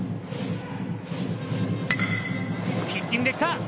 ヒッティングで来た。